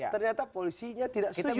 ternyata polisinya tidak setuju